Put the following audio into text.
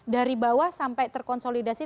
dari bawah sampai terkonsolidasi